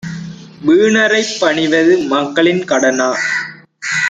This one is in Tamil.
வீணரைப் பணிவது மக்களின் கடனா?